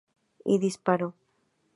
Y disparó.